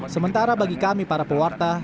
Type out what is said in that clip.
sementara bagi kami para pewarta